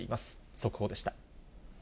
速報でした。